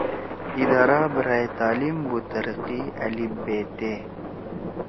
ادارہ برائے تعلیم و ترقی ( ا ب ت)